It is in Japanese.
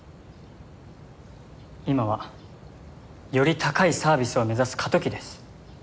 今はより高いサービスを目指す過渡期です。